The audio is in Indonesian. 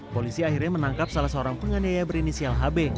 polisi akhirnya menangkap salah seorang penganiaya berinisial hb